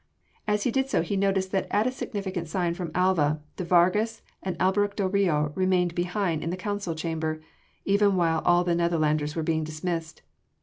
As he did so he noticed that at a significant sign from Alva, de Vargas and Alberic del Rio remained behind in the council chamber, even while all the Netherlanders were being dismissed.